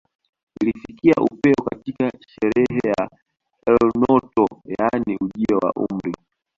Ikifikia upeo katika sherehe ya eunoto yaani ujio wa umri